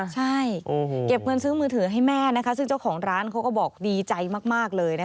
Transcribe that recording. ใช่เก็บเงินซื้อมือถือให้แม่ซึ่งเจ้าของร้านเขาก็บอกดีใจมากเลยนะคะ